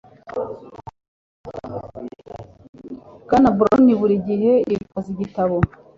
Bwana Brown buri gihe yitwaza igitabo.